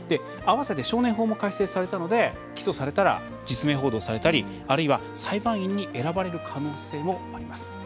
合わせて少年法も改正されたので起訴されたら、実名報道されたりあるいは裁判員に選ばれる可能性もあります。